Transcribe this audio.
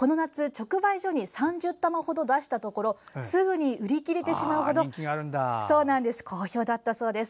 直売所に３０玉ほど出したところすぐに売り切れてしまうほど好評だったそうです。